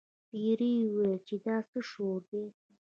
پیري وویل چې دا څه شور دی.